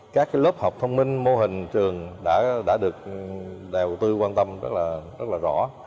các lớp học thông minh mô hình trường đã được đều tư quan tâm rất rõ